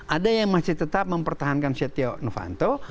ada yang masih tetap mempertahankan setiaw nufanto